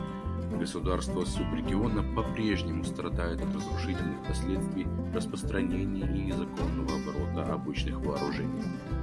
Государства субрегиона по-прежнему страдают от разрушительных последствий распространения и незаконного оборота обычных вооружений.